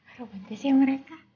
ayo bantu siang mereka